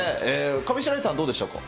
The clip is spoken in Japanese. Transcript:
上白石さん、どうでしたか？